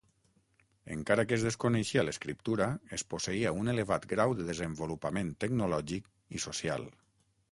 Encara que es desconeixia l'escriptura, es posseïa un elevat grau de desenvolupament tecnològic i social.